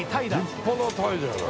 立派なタイじゃない。